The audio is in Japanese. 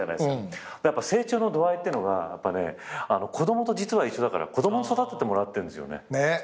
成長の度合いっていうのが子供と実は一緒だから子供に育ててもらってるんですよね。